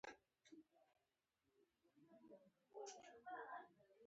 پسه له غرونو سره مینه لري.